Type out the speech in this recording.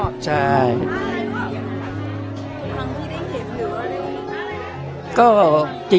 ทางที่ได้เข็มเหลืออะไร